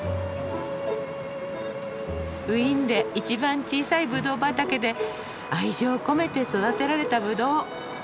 ウィーンで一番小さいぶどう畑で愛情込めて育てられたぶどう。